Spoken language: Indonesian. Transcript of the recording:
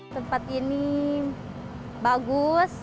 tempat ini bagus